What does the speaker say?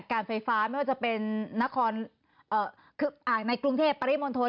การไฟฟ้าไม่ว่าจะเป็นนครคือในกรุงเทพปริมณฑล